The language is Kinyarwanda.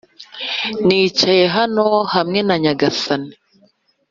nicaye hano hamwe na nyagasani